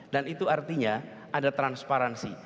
dan itu artinya ada transparansi